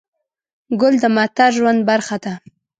ګل د معطر ژوند برخه ده.